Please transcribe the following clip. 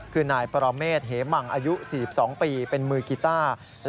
คือนายปรเมษเหมังอายุ๔๒ปีเป็นมือกีต้า